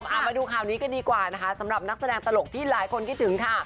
เอามาดูข่าวนี้กันดีกว่านะคะสำหรับนักแสดงตลกที่หลายคนคิดถึงค่ะ